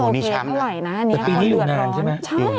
ไม่เคยโอเคได้ไหวนะอันเนี้ยคนเดือดร้อน